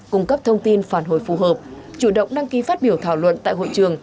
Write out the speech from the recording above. cung cấp thông tin phản hồi phù hợp chủ động đăng ký phát biểu thảo luận tại hội trường